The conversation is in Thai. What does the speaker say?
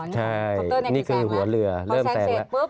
ใช่นี่คือหัวเรือเริ่มแซงแล้ว